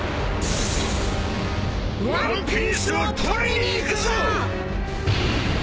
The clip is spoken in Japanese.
ワンピースを取りに行くぞ！